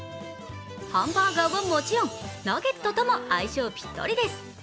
ハンバーガーはもちろんナゲットとも相性ぴったりです。